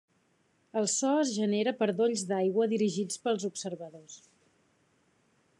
El so es genera per dolls d'aigua dirigits pels observadors.